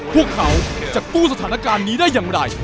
พวกเขาจะกู้สถานการณ์นี้ได้อย่างไร